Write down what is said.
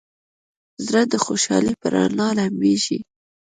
زړه د خوشحالۍ په رڼا لمبېږي.